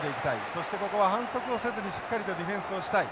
そしてここは反則をせずにしっかりとディフェンスをしたい。